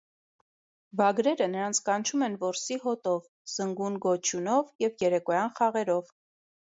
Վագրերը նրանց կանչում են որսի հոտով, զնգուն գոչյունով և երեկոյան խաղերով։